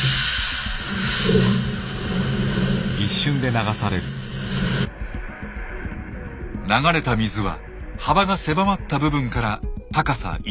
流れた水は幅が狭まった部分から高さ１ｍ近くまで急上昇。